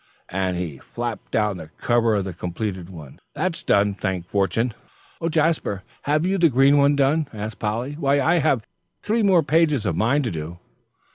And he flapped down the cover of the completed one. "That's done, thank fortune!" "Oh, Jasper, have you the green one done?" asked Polly. "Why, I have three more pages of mine to do."